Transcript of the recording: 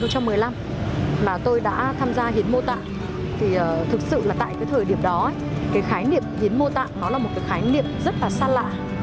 từ năm hai nghìn một mươi đến năm hai nghìn một mươi năm mà tôi đã tham gia hiến mô tạng thì thực sự là tại cái thời điểm đó ấy cái khái niệm hiến mô tạng nó là một cái khái niệm rất là xa lạ